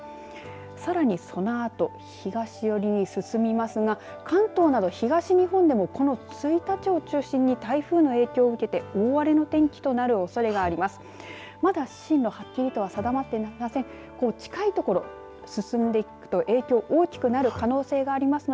さらにそのあと東寄りに進みますが関東など東日本でもこの１日を中心に台風の影響を受けて大荒れの天気となるおそれがあります。